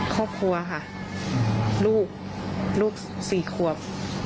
ครอบครัวค่ะลูกลูก๔ขวบ